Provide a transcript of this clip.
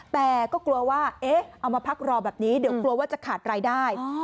แต่ก็กลัวว่าเอ๊ะเอามาพักรอแบบนี้เดี๋ยวกลัวว่าจะขาดรายได้